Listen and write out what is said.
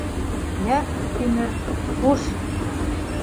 — Йә, Тимер, хуш!